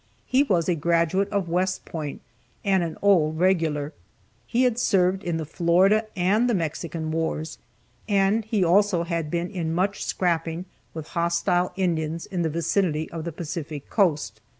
He was a graduate of West Point, and an old regular. He had served in the Florida and the Mexican wars, and he also had been in much scrapping with hostile Indians in the vicinity of the Pacific Coast.